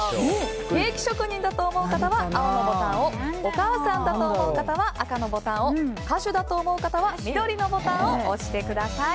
ケーキ職人だと思う方は青のボタンをお母さんだと思う方は赤のボタンを歌手だと思う方は緑のボタンを押してください。